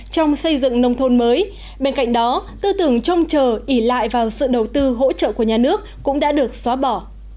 trong xây dựng nông thôn mới bên cạnh đó tư tưởng trông chờ ỉ lại vào sự đầu tư hỗ trợ của nhà nước cũng đã được xóa bỏ